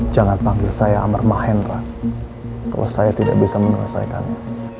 jangan panggil saya amar mahendra kalau saya tidak bisa menyelesaikannya